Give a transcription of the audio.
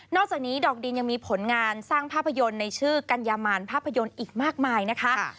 อกจากนี้ดอกดินยังมีผลงานสร้างภาพยนตร์ในชื่อกัญญามารภาพยนตร์อีกมากมายนะคะ